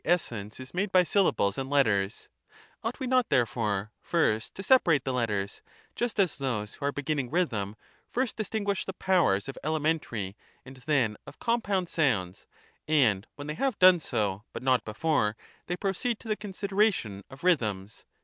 essence is made by syllables and letters ; ought we not, there fore, first to separate the letters, just as those who are be ginning rhythm first distinguish the powers of elementary, and then of compound sounds, and when they have done so, but not before, they proceed to the consideration of rhythms?